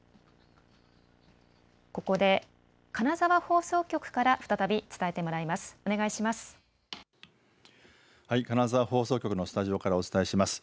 ここで金沢放送局から再び伝えてもらいます。